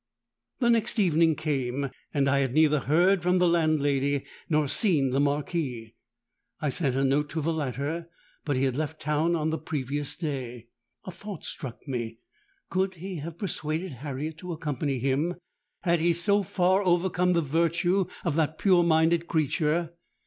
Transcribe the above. "The next evening came, and I had neither heard from the landlady, nor seen the Marquis. I sent a note to the latter; but he had left town on the previous day. A thought struck me: could he have persuaded Harriet to accompany him? Had he so far overcome the virtue of that pure minded creature?